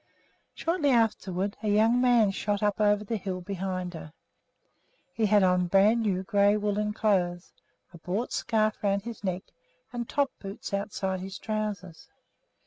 Shortly afterward a young man shot up over the hill behind her. He had on brand new gray woolen clothes, a "bought" scarf around his neck, and top boots outside his trousers.